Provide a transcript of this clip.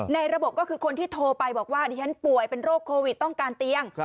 ในระบบก็คือคนที่โทรไปบอกว่าดิฉันป่วยเป็นโรคโควิดต้องการเตียง